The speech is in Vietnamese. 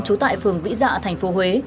chú tại phường vĩ dạ tp huế